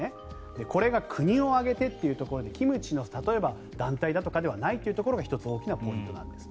これが国を挙げてというところでキムチの団体だとかではないというところが１つ大きなポイントなんです。